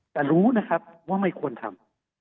แต่รู้นะครับว่าไม่ควรทำ